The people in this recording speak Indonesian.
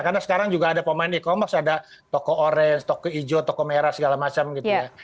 karena sekarang juga ada pemain e commerce ada toko orange toko hijau toko merah segala macam gitu ya